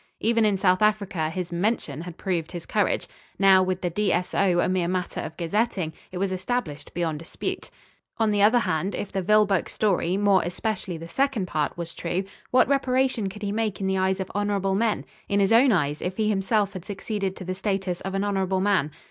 Even in South Africa, his "mention" had proved his courage. Now, with the D. S. O. a mere matter of gazetting, it was established beyond dispute. On the other hand, if the Vilboek story, more especially the second part, was true, what reparation could he make in the eyes of honourable men? in his own eyes, if he himself had succeeded to the status of an honourable man?